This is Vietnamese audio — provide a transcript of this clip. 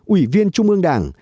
ủy viên trung ương đảng